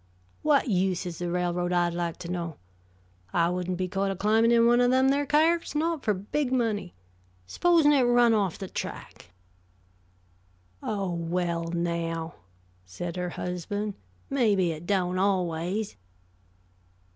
Whut use is the railroad, I'd like to know? I wouldn't be caught a climbin' in one o' them thar kyars, not for big money. Supposin' it run off the track?" "Oh, well, now," said her husband, "maybe it don't, always."